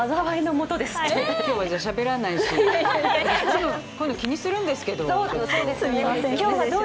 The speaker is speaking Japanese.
こういうの気にするんですけど。